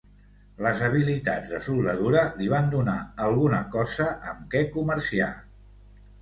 Les habilitats de soldadura li van donar alguna cosa amb què comerciar.